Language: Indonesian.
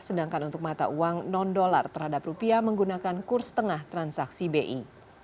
sedangkan untuk mata uang non dolar terhadap rupiah menggunakan kurs tengah transaksi bi